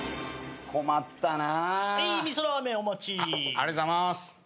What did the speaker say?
ありがとうございます。